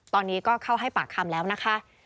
ตอนนี้ก็เข้าให้ปากคำแล้วนะคะ